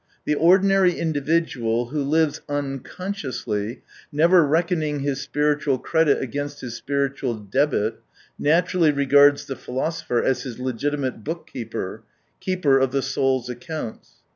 The ordinary individual, who lives unconsciously, never reckoning his spiritual credit against his spiritual debit, naturally regards the philosopher as his legitimate book keeper, keeper of the soul's accounts.